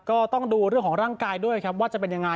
ก็ต้องดูเรื่องของร่างกายด้วยครับว่าจะเป็นยังไง